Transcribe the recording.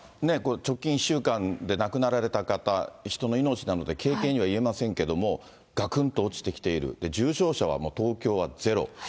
直近１週間で亡くなられた方、人の命なので、軽々には言えませんけれども、がくんと落ちてきている、重症者はもう、東京はゼロ。